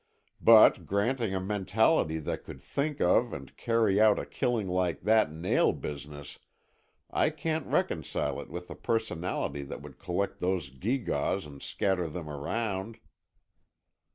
But granting a mentality that could think of and carry out a killing like that nail business, I can't reconcile it with a personality that would collect those gewgaws and scatter them around."